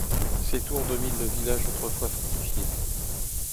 Deux tours dominent le village, autrefois fortifié.